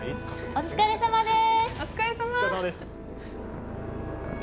お疲れさまです。